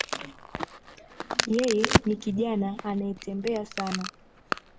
Yeye ni kijana anayetembea sana